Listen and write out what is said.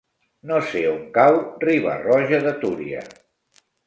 No sé on cau Riba-roja de Túria.